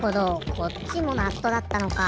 こっちもナットだったのか。